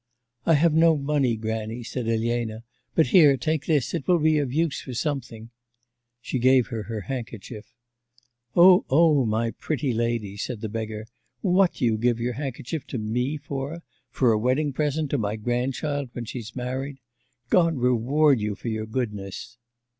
'I have no money, grannie,' said Elena, 'but here, take this, it will be of use for something.' She gave her her handkerchief. 'O oh, my pretty lady,' said the beggar, 'what do you give your handkerchief to me for? For a wedding present to my grandchild when she's married? God reward you for your goodness!